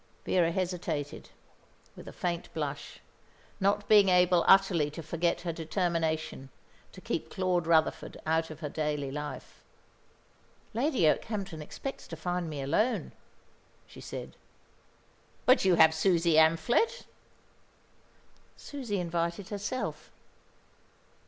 Vera hesitated, with a faint blush, not being able utterly to forget her determination to keep Claude Rutherford out of her daily life. "Lady Okehampton expects to find me alone," she said. "But you have Susie Amphlett?" "Susie invited herself."